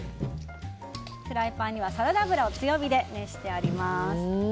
フライパンにはサラダ油を強火で熱してあります。